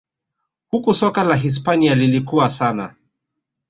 Huku soka la Hispania lilikua sana